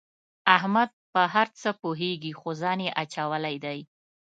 احمد په هر څه پوهېږي خو ځان یې اچولی دی.